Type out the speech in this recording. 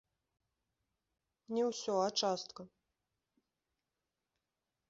Не ўсё, а частка.